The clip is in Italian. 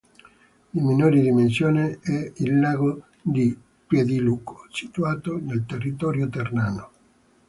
Di minori dimensioni è il lago di Piediluco, situato nel territorio ternano.